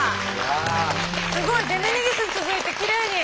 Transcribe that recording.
すごいデメニギスに続いてきれいに。